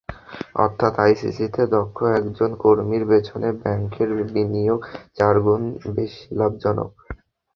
অর্থাৎ আইসিটিতে দক্ষ একজন কর্মীর পেছনে ব্যাংকের বিনিয়োগ চার গুণ বেশি লাভজনক।